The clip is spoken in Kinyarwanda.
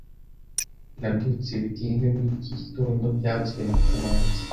Nabyutse bitinze muri iki gitondo byavuzwe na kamanzi